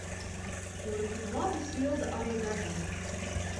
Kura tik labi silda arī degunu.